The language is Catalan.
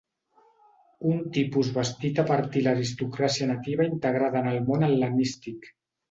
Un tipus bastit a partir l'aristocràcia nativa integrada en el món hel·lenístic.